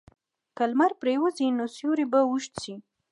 که لمر پرېوځي، نو سیوری به اوږد شي.